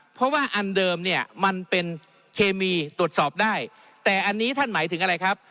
เพราะว่าอันเดิมเนี่ยมันเป็นเคมีตรวจสอบได้แต่อันนี้ท่านหมายถึงอะไรครับ